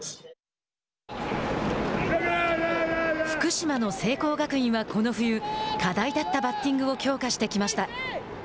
福島の聖光学院はこの冬課題だったバッティングを強化してきました。